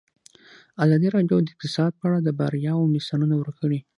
ازادي راډیو د اقتصاد په اړه د بریاوو مثالونه ورکړي.